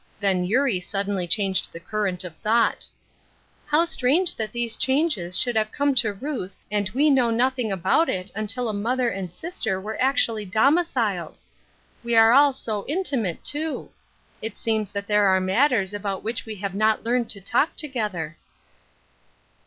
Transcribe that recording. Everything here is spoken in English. Then Eurie suddenly changed the current of thought :" How strange that these changes should have come to Ruth and we know nothing about it until a mother and sister were actually dom iciled ! We are all so intimate, too. It seems that there are matters about which we have not learned to talk together."